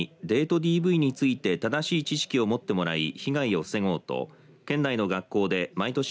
ＤＶについて正しい知識を持ってもらい被害を防ごうと県内の学校で毎年